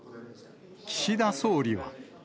岸田総理は。